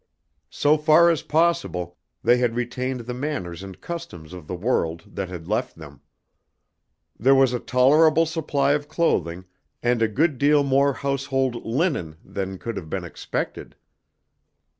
So far as possible, they had retained the manners and customs of the world that had left them. There was a tolerable supply of clothing, and a good deal more household linen than could have been expected.